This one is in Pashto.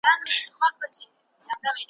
او په باریکیو یوازي باریک بین خلک پوهیږي `